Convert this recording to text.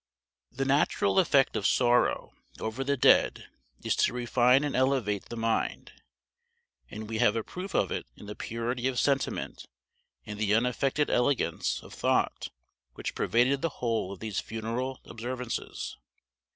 The natural effect of sorrow over the dead is to refine and elevate the mind; and we have a proof of it in the purity of sentiment and the unaffected elegance of thought which pervaded the whole of these funeral observances.